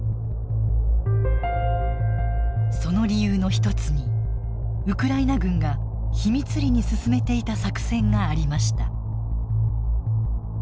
その理由の一つにウクライナ軍が秘密裏に進めていた作戦がありました。